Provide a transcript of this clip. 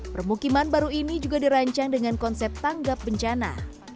permukiman baru ini juga dirancang dengan konsep tanggap bencana